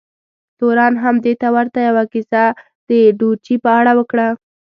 تورن هم دې ته ورته یوه کیسه د ډوچي په اړه وکړه.